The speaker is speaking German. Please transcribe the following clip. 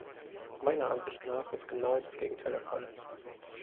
Meiner Ansicht nach ist genau das Gegenteil der Fall.